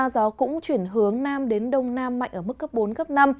gió cũng chuyển hướng nam đến đông nam mạnh ở mức cấp bốn cấp năm